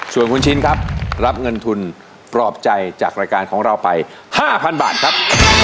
ส่วนคุณชินครับรับเงินทุนปลอบใจจากรายการของเราไป๕๐๐บาทครับ